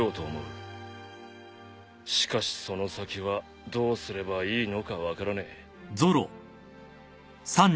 しかしその先はどうすればいいのか分からねえ。